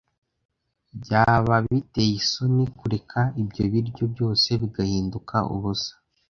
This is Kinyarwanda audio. Byaba biteye isoni kureka ibyo biryo byose bigahinduka ubusa.